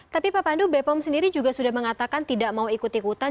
tapi pak pandu bepom sendiri juga sudah mengatakan tidak mau ikut ikutan